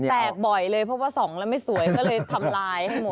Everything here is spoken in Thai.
แตกบ่อยเลยเพราะว่าส่องแล้วไม่สวยก็เลยทำลายให้หมด